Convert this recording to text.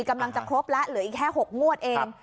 กำลังจะครบแล้วเหลืออีกแค่๖งวดเอง